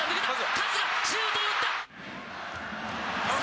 カズがシュートを打った。